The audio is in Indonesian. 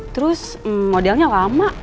terus modelnya lama